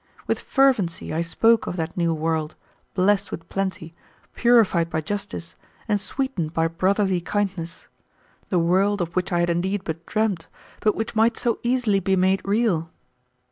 With fervency I spoke of that new world, blessed with plenty, purified by justice and sweetened by brotherly kindness, the world of which I had indeed but dreamed, but which might so easily be made real.